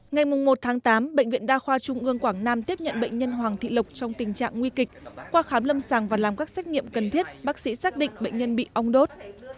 ngày một tám bệnh viện đa khoa trung ương quảng nam tiếp nhận bệnh nhân hoàng thị lộc trong tình trạng nguy kịch qua khám lâm sàng và làm các xét nghiệm cần thiết bác sĩ xác định bệnh nhân bị ong đốt